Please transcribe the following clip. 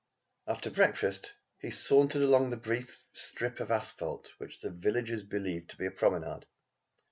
After breakfast he sauntered along the brief strip of asphalt which the villagers believe to be a promenade.